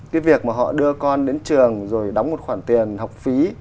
cái việc mà họ đưa con đến trường rồi đóng một khoản tiền học phí